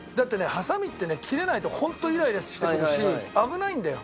ハサミってね切れないとホントイライラしてくるし危ないんだよ。